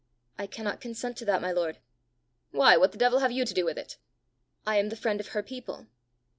"I cannot consent to that, my lord." "Why, what the devil have you to do with it?" "I am the friend of her people."